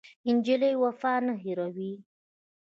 نجلۍ وفا نه هېروي.